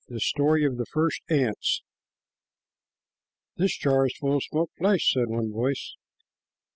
THE STORY OF THE FIRST ANTS. "This jar is full of smoked flesh," said one voice.